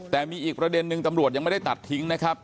แต่มีอีกประเด็นนึงตำรวจยังไม่ได้ตัดทิ้งนะครับ